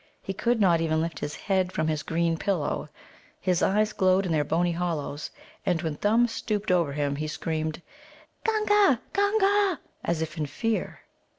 He could not even lift his head from his green pillow. His eyes glowed in their bony hollows. And when Thumb stooped over him he screamed, "Gunga! Gunga!" as if in fear.